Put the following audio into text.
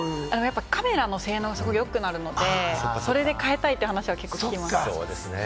カメラの性能がすごくよくなるので、それで変えたいって話はよく聞きます。